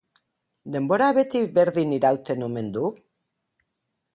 Denbora beti berdin irauten omen du?